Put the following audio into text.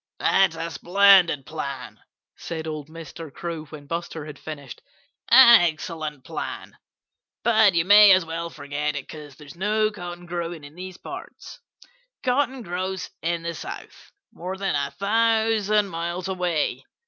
"That's a splendid plan," said old Mr. Crow when Buster had finished. "An excellent plan but you may as well forget it, because there's no cotton growing in these parts. Cotton grows in the South, more than a thousand miles away.